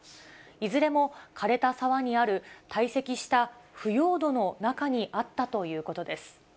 いずれもかれた沢にある堆積した腐葉土の中にあったということです。